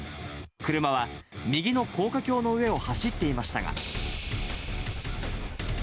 車は右の高架橋の上を走っていましたが。